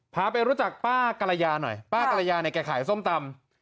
พาไปรู้จักป้ากรยาหน่อยป้ากรยาเนี่ยแกขายส้มตำ